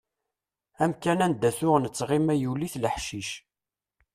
Amkan anda tuɣ nettɣima yuli-t leḥcic.